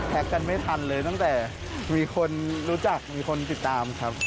กันไม่ทันเลยตั้งแต่มีคนรู้จักมีคนติดตามครับ